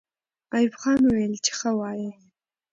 ایوب خان وویل چې ښه وایئ.